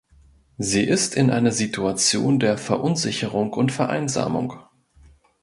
Sie ist in einer Situation der Verunsicherung und Vereinsamung.